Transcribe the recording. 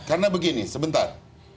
karena begini sebentar